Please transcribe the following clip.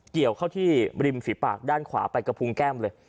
เกี่ยวเข้าที่ริมฝีปากด้านขวาไปกระพุงแก้มเลย